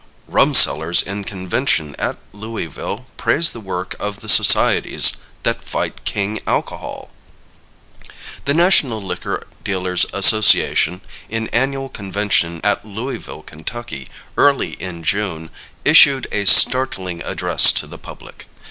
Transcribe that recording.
Rum Sellers in Convention at Louisville Praise the Work of the Societies that Fight King Alcohol. The National Liquor Dealers' Association, in annual convention at Louisville, Kentucky, early in June, issued a startling address to the public.